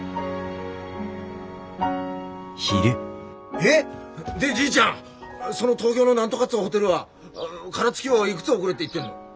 えっでじいちゃんその東京の何とかっつうホテルは殻付きをいくつ送れって言ってんの？